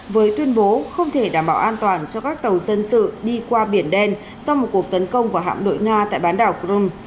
với tuyên bố không thể đảm bảo an toàn cho các tàu dân sự đi qua biển đen sau một cuộc tấn công vào hạm đội nga tại bán đảo crimea